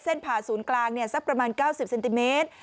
ผ่าศูนย์กลางสักประมาณ๙๐เซนติเมตร